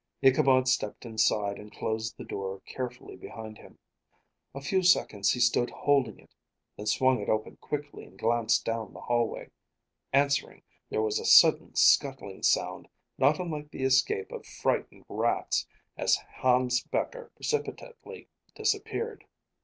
Ichabod stepped inside and closed the door carefully behind him. A few seconds he stood holding it, then swung it open quickly and glanced down the hallway. Answering, there was a sudden, scuttling sound, not unlike the escape of frightened rats, as Hans Becher precipitately disappeared.